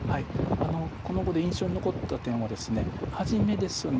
この碁で印象に残った点はですね初めですね